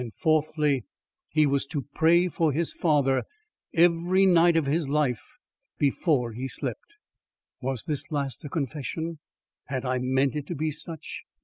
Fourthly: he was to pray for his father every night of his life before he slept. Was this last a confession? Had I meant it to be such?